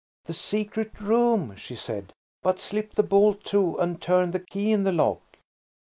"The secret room," she said; "but slip the bolt to and turn the key in the lock."